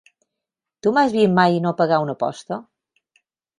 Tu m'has vist mai no pagar una aposta?